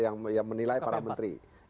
yang menilai para menteri